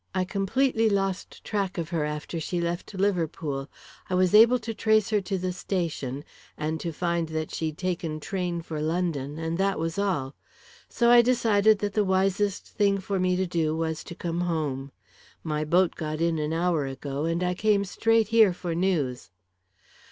"I completely lost track of her after she left Liverpool. I was able to trace her to the station, and to find that she'd taken train for London, and that was all. So I decided that the wisest thing for me to do was to come home. My boat got in an hour ago and I came straight here for news."